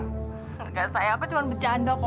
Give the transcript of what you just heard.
enggak sayang aku cuma bercanda kok